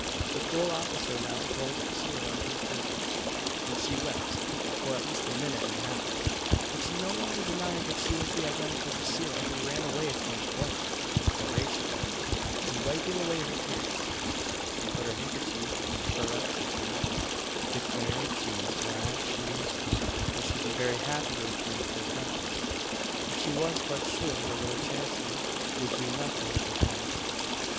The cruel officer now told Drusilla his business, and she wept for at least a minute and a half; but she no longer denied that she was the identical Drusilla who ran away from with Horatio; and wiping away her tears, she put her hankerchief in her reticule, declared she was glad she was caught, and should be very happy to return to her friends, if she was but "sure the Lord Chancellor would do nothing to her."